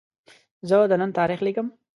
زه د نن تاریخ لیکم.